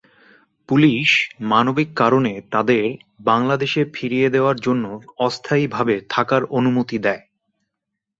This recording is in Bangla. পুলিশ মানবিক কারণে তাঁদের বাংলাদেশে ফিরিয়ে দেওয়ার জন্য অস্থায়ীভাবে থাকার অনুমতি দেয়।